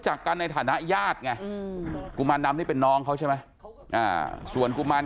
จากกันในฐานะญาติไงกุมารดำนี่เป็นน้องเขาใช่ไหมส่วนกุมาร